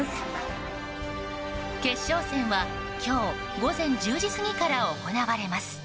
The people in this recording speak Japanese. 決勝戦は今日午前１０時過ぎから行われます。